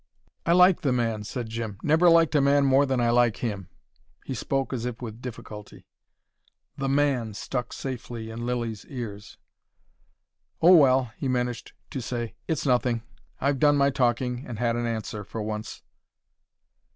"I like the man," said Jim. "Never liked a man more than I like him." He spoke as if with difficulty. "The man" stuck safely in Lilly's ears. "Oh, well," he managed to say. "It's nothing. I've done my talking and had an answer, for once."